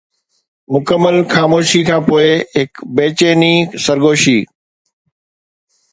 مڪمل خاموشيءَ کانپوءِ هڪ بيچيني سرگوشي